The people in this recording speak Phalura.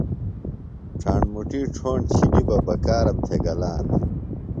ڇھاݨ مُٹومی ڇھوݨ چِھنی بہ بکارم تھےۡ گلانہ۔